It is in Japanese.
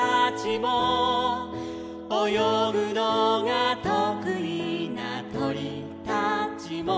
「およぐのがとくいなとりたちも」